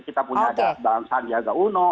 kita punya bang sandiaga uno